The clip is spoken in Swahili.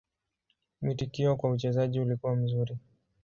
Mwitikio kwa uchezaji ulikuwa mzuri.